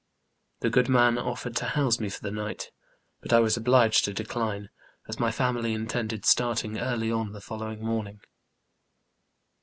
Tbe good man offered to bouse me for tbe nigbt; but I was obliged to decline, as my family intended starting early on tbe following morning.